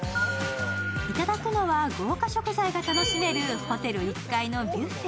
いただくのは豪華食材が楽しめるホテル１階のビュッフェ。